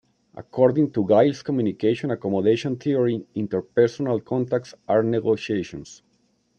According to Giles' Communication Accommodation Theory, interpersonal contacts are negotiations.